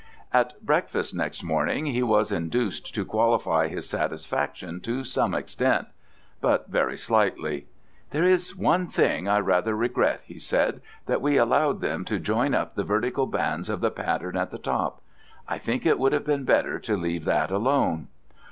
At breakfast next morning he was induced to qualify his satisfaction to some extent but very slightly. "There is one thing I rather regret," he said, "that we allowed them to join up the vertical bands of the pattern at the top. I think it would have been better to leave that alone."